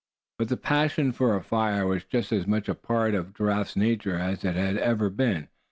But the passion for a fire was just as much a part of Giraffe's nature as it had ever been.